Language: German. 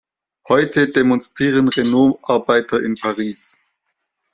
Heute demonstrieren Renault-Arbeiter in Paris.